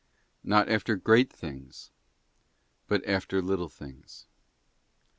Not after great things, but after little things. 8.